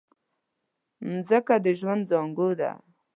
مځکه د ژوند زانګو ده.